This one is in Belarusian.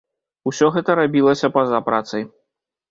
Усё гэта рабілася па-за працай.